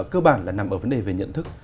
cơ bản là nằm ở vấn đề về nhận thức